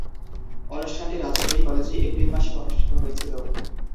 অনুষ্ঠানটি রাজশাহী কলেজে এপ্রিল মাসে অনুষ্ঠিত হয়েছিলো।